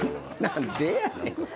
何でやねん。